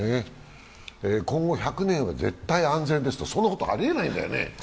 今後１００年は絶対安全ですとそんなことはありえないんだよね。